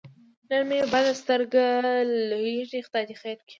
نن مې بده سترګه لوېږي خدای دې خیر کړي.